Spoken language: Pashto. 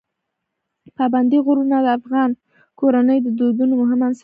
پابندی غرونه د افغان کورنیو د دودونو مهم عنصر دی.